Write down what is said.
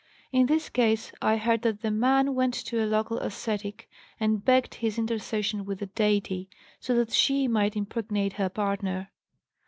In this case I heard that 'the man' went to a local ascetic and begged his intercession with the deity, so that she might impregnate her partner.